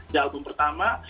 dari album pertama